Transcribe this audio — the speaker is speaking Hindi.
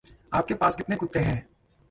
आपके पास कितने कुत्ते हैं?